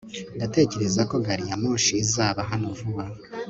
Ndatekereza ko gari ya moshi izaba hano vuba